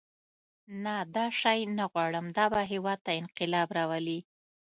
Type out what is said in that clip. نه دا شی نه غواړم دا به هېواد ته انقلاب راولي.